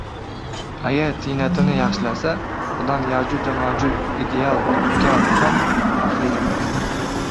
Agar tiynatini yaxshilasa, odamning Ya’juj-Ma’jujni ideal tutgani ham xafvli emas.